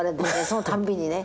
そのたんびにね。